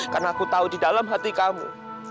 karena aku tahu di dalam hati kamu